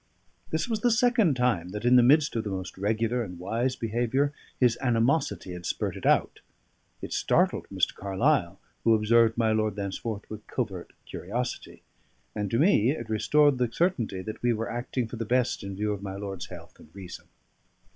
This was the second time that, in the midst of the most regular and wise behaviour, his animosity had spurted out. It startled Mr. Carlyle, who observed my lord thenceforth with covert curiosity; and to me it restored the certainty that we were acting for the best in view of my lord's health and reason.